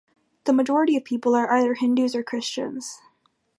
The majority of people are either Hindus or Christians.